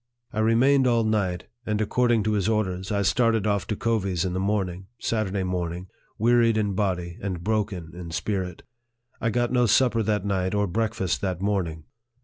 I remained all night, and, according to his orders, I started off to Covey's in the morning, (Saturday morn ing,) wearied in body and broken in spirit. I got no supper that night, or breakfast that morning.